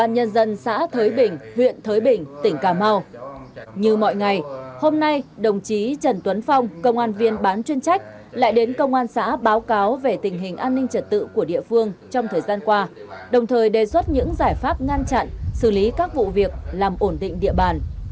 như mọi ngày hôm nay đồng chí trần tuấn phong công an viên bán chuyên trách lại đến công an xã báo cáo về tình hình an ninh trật tự của địa phương trong thời gian qua đồng thời đề xuất những giải pháp ngăn chặn xử lý các vụ việc làm ổn định địa bàn